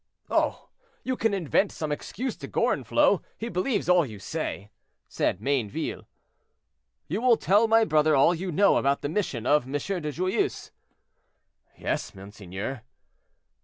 "Oh! you can invent some excuse to Gorenflot; he believes all you say," said Mayneville. "You will tell my brother all you know about the mission of M. de Joyeuse." "Yes, monseigneur."